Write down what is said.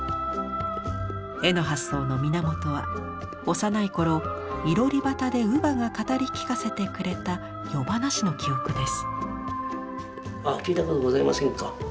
絵の発想の源は幼い頃いろり端で乳母が語り聞かせてくれた夜噺の記憶です。